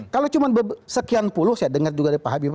kalau cuma sekian puluh saya dengar juga dari pak habibur